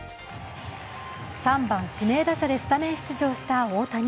３番・指名打者でスタメン出場した大谷。